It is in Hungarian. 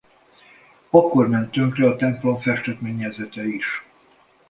Akkor ment tönkre a templom festett mennyezete is.